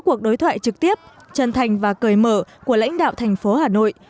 cuộc đối thoại trực tiếp chân thành và cởi mở của lãnh đạo thành phố hà nội